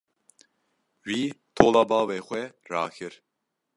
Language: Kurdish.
Wî tola bavê xwe rakir.